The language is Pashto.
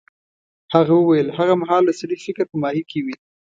هغه وویل هغه مهال د سړي فکر په ماهي کې وي.